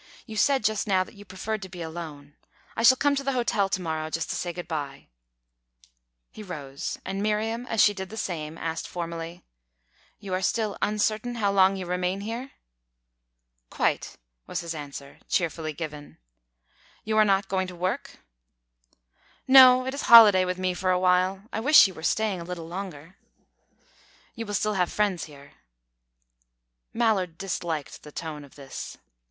You said just now that you preferred to be alone. I shall come to the hotel to morrow, just to say good bye." He rose; and Miriam, as she did the same, asked formally: "You are still uncertain how long you remain here?" "Quite," was his answer, cheerfully given. "You are not going to work?" "No; it is holiday with me for a while. I wish you were staying a little longer." "You will still have friends here." Mallard disliked the tone of this.